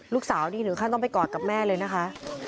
ลูกสาวนี่ถึงขั้นต้องไปกอดกับแม่เลยนะคะ